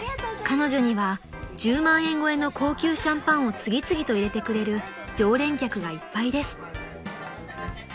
［彼女には１０万円超えの高級シャンパンを次々と入れてくれる常連客がいっぱいです］